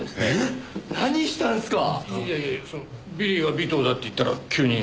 いやいやいやそのビリーが尾藤だって言ったら急に。